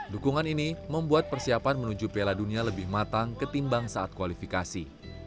dukungan ini membuat persiapan menuju piala dunia lebih matang ketimbang saat kualifikasi